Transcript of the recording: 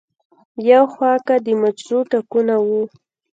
يو خوا کۀ د مچرو ټکونه وو